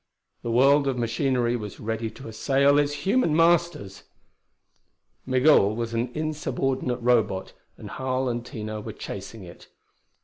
The world of machinery was ready to assail its human masters! Migul was an insubordinate Robot, and Harl and Tina were chasing it.